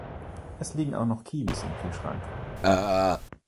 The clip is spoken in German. Es liegen auch noch Kiwis im Kühlschrank.